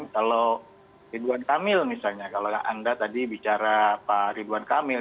kalau ridwan kamil misalnya kalau anda tadi bicara pak ridwan kamil